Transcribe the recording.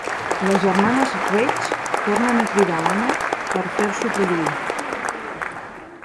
Les germanes Reig tornen a cridar l'Anna per fer-s'ho traduir.